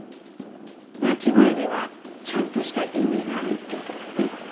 鳴き声にはちゃんとした意味があるって言ってたわね。